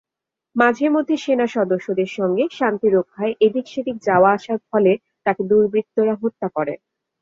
মাঝেমধ্যে সেনাসদস্যদের সঙ্গে শান্তি রক্ষায় এদিক-সেদিক যাওয়া-আসার ফলে তাকে দুর্বৃৃত্তরা হত্যা করে।